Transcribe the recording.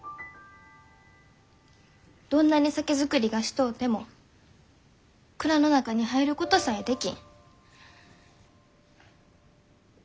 どんなに酒造りがしとうても蔵の中に入ることさえできん。